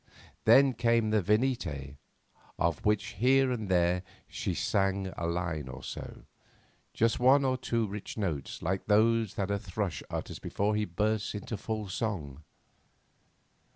Then came the "Venite," of which here and there she sang a line or so, just one or two rich notes like those that a thrush utters before he bursts into full song.